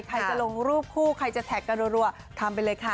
ใครจะลงรูปคู่ใครจะแท็กกันรัวทำไปเลยค่ะ